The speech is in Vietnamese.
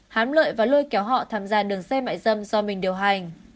hám lợi và lôi kéo họ tham gia đường dây mại dâm do mình điều hành